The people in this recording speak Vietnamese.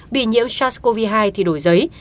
bị nhiễm sars cov hai thì đổi giấy